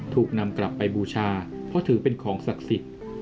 ถูกนำกลับไปบูชาเพราะถือเป็นของศักดิ์สิทธิ์